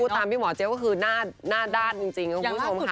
ตามพี่หมอเจี๊ยก็คือหน้าด้านจริงคุณผู้ชมค่ะ